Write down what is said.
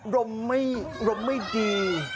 รมไม่ดี